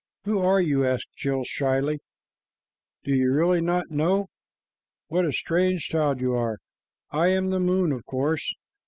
"Who are you?" asked Jill shyly. "Do you really not know? What a strange child you are! I am the moon, of course.